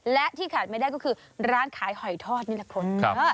และที่ขาดไม่ได้ก็คือร้านขายหอยทอดนี่แหละคุณ